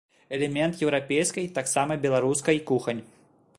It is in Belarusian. Элемент еўрапейскай, таксама беларускай, кухань.